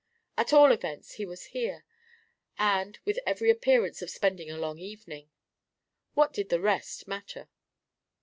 At all events, he was here and with every appearance of spending a long evening. What did the rest matter?